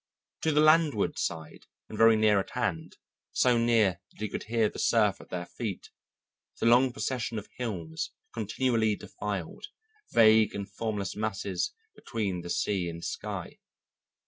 To the landward side and very near at hand, so near that he could hear the surf at their feet, the long procession of hills continually defiled, vague and formless masses between the sea and sky.